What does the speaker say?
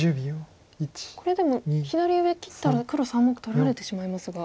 これでも左上切ったら黒３目取られてしまいますが。